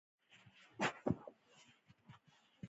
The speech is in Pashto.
ایا زه باید خپل وزن کم کړم؟